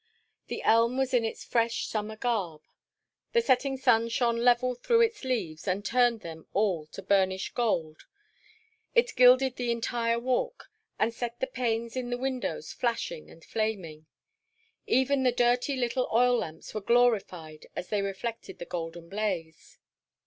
The elm was in its fresh summer garb. The setting sun shone level through its leaves and turned them all to burnished gold. It gilded the entire Walk, and set the panes in the windows flashing and flaming; even the dirty little oil lamps were glorified as they reflected the golden blaze.